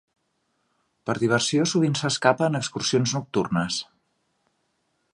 Per diversió, sovint s'escapa en excursions nocturnes.